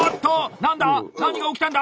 何が起きたんだ？